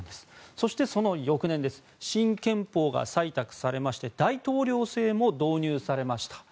そして、その翌年新憲法が採択されまして大統領制も導入されました。